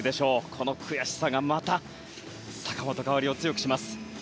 この悔しさがまた坂本花織を強くします。